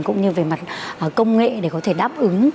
cũng như về mặt công nghệ để có thể đáp ứng